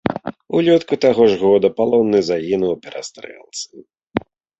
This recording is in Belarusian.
Улетку таго ж года палонны загінуў у перастрэлцы.